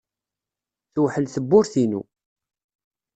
Tewḥel tewwurt-inu.